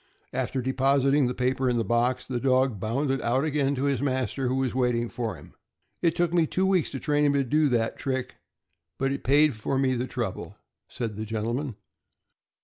After depositing the paper in the box, the dog bounded out again to his master, who was waiting for him. "It took me two weeks to train him to do that trick, but it paid me for the trouble," said the gentleman.